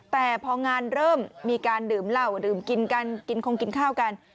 แต่พองานเริ่มมีการดื่มเหล้าดื่มกินกันกินคงกินข้าวกัน